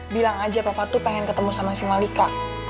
bilang aja papa tuh pengen ketemu sama si malika